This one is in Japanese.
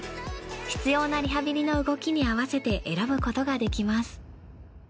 必要なリハビリの動きに合わせて選ぶことができます。